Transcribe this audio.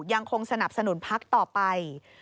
ยังคงสนับสนุนพักต่อไป